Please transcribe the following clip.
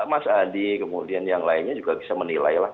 mas adi kemudian yang lainnya juga bisa menilai lah